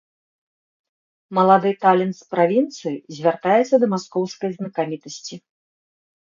Малады талент з правінцыі звяртаецца да маскоўскай знакамітасці.